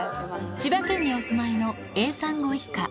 千葉県にお住まいのＡさんご一家。